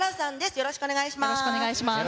よろしくお願いします。